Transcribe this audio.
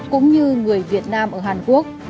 cũng như người việt nam ở hàn quốc